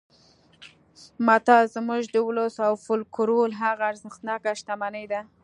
متل زموږ د ولس او فولکلور هغه ارزښتناکه شتمني ده